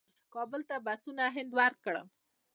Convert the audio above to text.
کابل ته بسونه هند ورکړل.